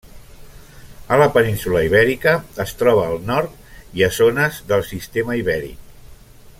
A la península Ibèrica es troba al nord i a zones del sistema Ibèric.